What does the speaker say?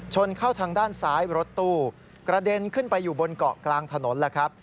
เข้าทางด้านซ้ายรถตู้กระเด็นขึ้นไปอยู่บนเกาะกลางถนนแหละครับ